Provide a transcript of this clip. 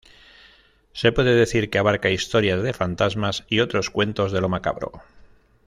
Se puede decir que abarca historias de fantasmas y otros cuentos de lo macabro.